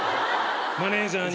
マネジャーに。